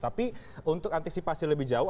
tapi untuk antisipasi lebih jauh